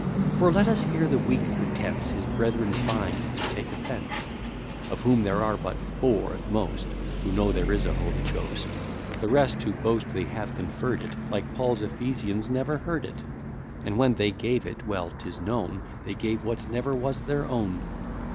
For, let us hear the weak pretence, His brethren find to take offence; Of whom there are but four at most, Who know there is a Holy Ghost; The rest, who boast they have conferr'd it, Like Paul's Ephesians, never heard it; And, when they gave it, well 'tis known They gave what never was their own.